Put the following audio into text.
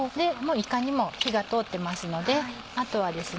いかにも火が通ってますのであとはですね